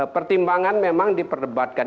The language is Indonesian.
pertimbangan memang diperdebatkan